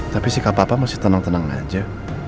tapi si kak papa masih tenang tenang aja